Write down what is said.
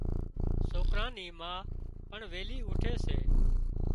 سوڪران ني ما پڻ ويلِي اُوٺي سي۔